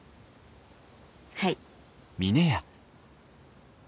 はい。